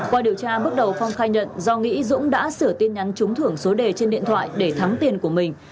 qua điều tra bước đầu phong khai nhận do nghĩ dũng đã sửa tin nhắn trúng thưởng số đề trên điện thoại để thắng tiền của mình